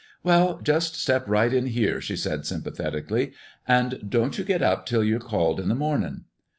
"Well, just step right in here," she said, sympathetically; "and don't you get up till ye're called in the mornin'."